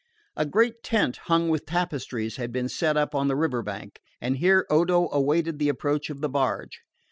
A great tent hung with tapestries had been set up on the river bank; and here Odo awaited the approach of the barge.